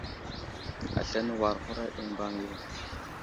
Aslane war huraɗ i mbaŋ yo.